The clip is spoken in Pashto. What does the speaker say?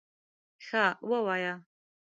_ښه، ووايه!